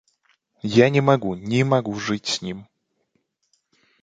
Я не могу, не могу жить с ним.